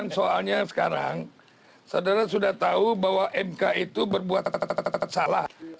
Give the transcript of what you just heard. soalnya sekarang saudara sudah tahu bahwa mk itu berbuat salah